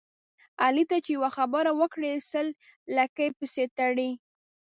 علي ته چې یوه خبره وکړې سل لکۍ پسې تړي.